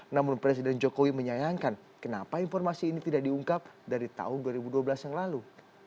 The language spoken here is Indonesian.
namun presiden jokowi menyayangkan kenapa informasi ini tidak diungkap dari tahun dua ribu dua belas yang lalu